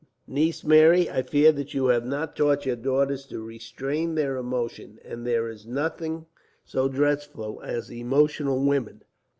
"Niece Mary, I fear that you have not taught your daughters to restrain their emotions, and there is nothing so dreadful as emotional women."